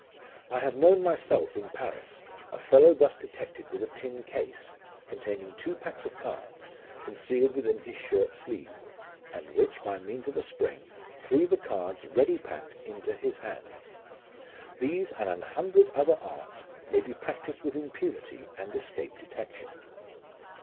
I have known myself, in Paris, a fellow thus detected with a tin case, containing two packs of cards, concealed within his shirt sleeve, and which, by means of a spring, threw the cards ready packed into his hands. These and an hundred other arts may be practised with impunity and escape detection.